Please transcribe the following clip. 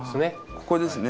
ここですね。